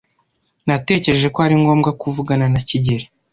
Natekereje ko ari ngombwa kuvugana na kigeli.